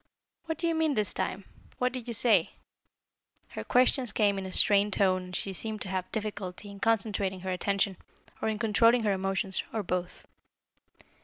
"What do you mean, this time? What did you say?" Her questions came in a strained tone and she seemed to have difficulty in concentrating her attention, or in controlling her emotions, or both.